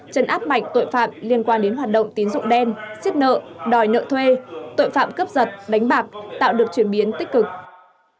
chấn áp mạnh tội phạm liên quan đến hoạt động tín dụng đen xiết nợ đòi nợ thuê tội phạm cướp giật đánh bạc tạo được chuyển biến tích cực